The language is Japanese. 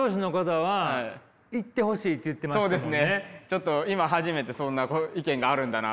ちょっと今初めてそんな意見があるんだなという。